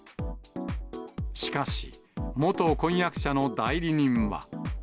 しかし、元婚約者の代理人は。